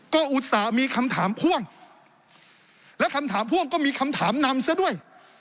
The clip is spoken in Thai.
ก็อุตส่าห์มีคำถามพ่วงและคำถามพ่วงก็มีคำถามนำซะด้วย